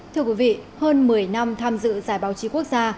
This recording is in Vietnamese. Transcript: thưa quý vị hơn một mươi năm tham dự giải báo chí quốc gia